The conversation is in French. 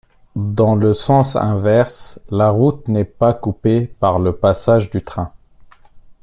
Dans le sens inverse, la route n'est pas coupée par le passage du train.